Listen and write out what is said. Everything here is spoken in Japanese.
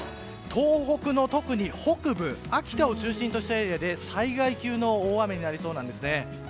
東北の、特に北部秋田を中心としたエリアで災害級の大雨となりそうです。